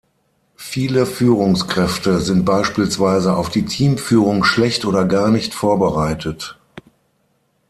Viele Führungskräfte sind beispielsweise auf die Teamführung schlecht oder gar nicht vorbereitet.